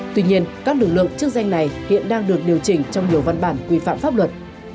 tuy nhiên các lực lượng chức danh này hiện đang được điều chỉnh trong nhiều văn bản quy phạm pháp luật